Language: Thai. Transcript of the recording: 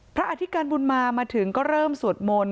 อธิการบุญมามาถึงก็เริ่มสวดมนต์